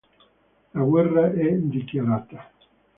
La guerra è dichiarata.